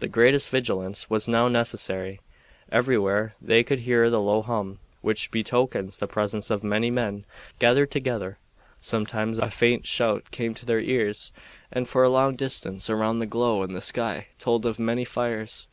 The greatest vigilance was now necessary. Everywhere they could hear the low hum which betokens the presence of many men gathered together. Sometimes a faint shout came to their ears, and for a long distance around the glow in the sky told of many fires.